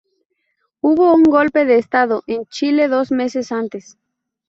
Hubo un golpe de estado en Chile dos meses antes.